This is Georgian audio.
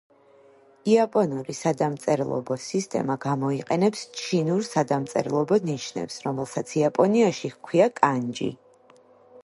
იაპონური სადამწერლობო სისტემა გამოიყენებს ჩინურ სადამწერლობო ნიშნებს, რომელსაც იაპონიაში ჰქვია კანჯი.